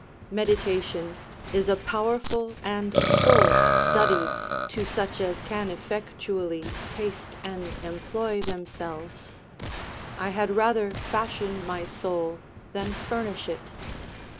Meditation is a powerful and full study to such as can effectually taste and employ themselves; I had rather fashion my soul than furnish it.